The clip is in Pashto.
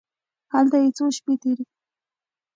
هلته یې څو شپې تېرې کړې.